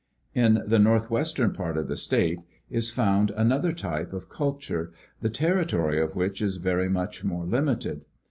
In the northwestern part of the state is found another type of culture, the territory of which is very much more limited.